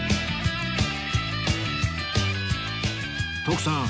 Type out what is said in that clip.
徳さん